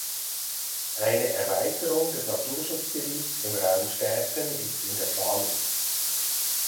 Eine Erweiterung des Naturschutzgebiets im Raum Städten ist in der Planung.